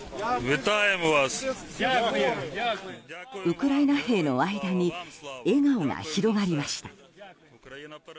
ウクライナ兵の間に笑顔が広がりました。